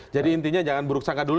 jadi intinya jangan buruk sangat dulu